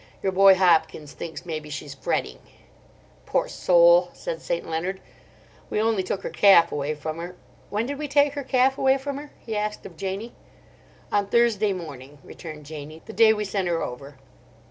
Your boy Hopkins thinks maybe she's fretting." "Poor soul!" said St. Leonard. "We only took her calf away from her—when did we take her calf away from her?" he asked of Janie. "On Thursday morning," returned Janie; "the day we sent her over."